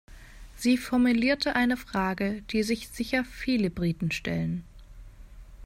Sie formulierte eine Frage, die sich sicher viele Briten stellen.